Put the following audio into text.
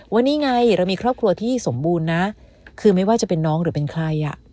ว่านี่ไงเรามีครอบครัวที่สมบูรณ์นะคือไม่ว่าจะเป็นน้องหรือเป็นใครอ่ะ